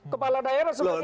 kepala daerah sebagai jurkam